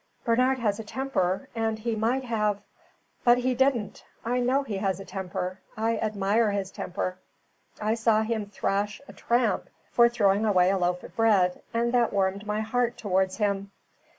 "Bernard has a temper, and he might have " "But he didn't. I know he has a temper. I admire his temper. I saw him thrash a tramp for throwing away a loaf of bread, and that warmed my heart towards him.